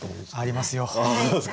ありますよ。